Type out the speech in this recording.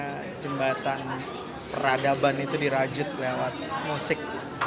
karena jembatan peradaban itu dirajut lewat musik